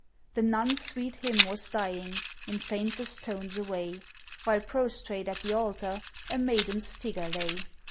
The nuns' sweet hymn was dying In faintest tones away, While prostrate at the altar, A maiden's figure lay.